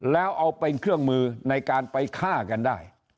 แล้วเอาเป็นเครื่องมือในการไปฆ่ากันได้